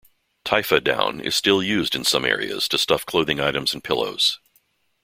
"Typha" down is still used in some areas to stuff clothing items and pillows.